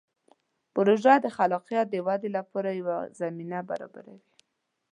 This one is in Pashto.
پروژه د خلاقیت د ودې لپاره یوه زمینه برابروي.